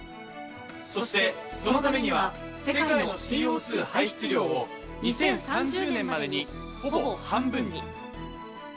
そして、そのためには世界のＣＯ２排出量を２０３０年までにほぼ半分に。